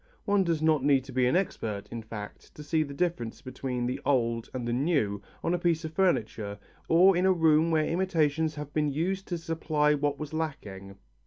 One does not need to be an expert, in fact, to see the difference between the old and the new on a piece of furniture or in a room where imitations have been used to supply what was lacking.